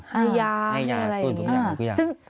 ให้ยาหรืออะไรอย่างนี้